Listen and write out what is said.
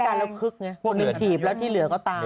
อยู่ด้วยกันแล้วคึกไงคนหนึ่งถีบแล้วที่เหลือก็ตาม